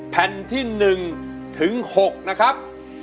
แผ่นที่๑ถึง๖นะครับ